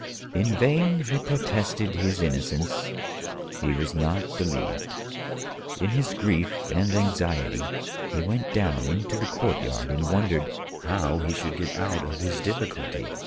In vain he protested his innocence; he was not believed. In his grief and anxiety he went down into the courtyard and wondered how he should get out of his difficulty.